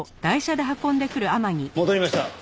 戻りました。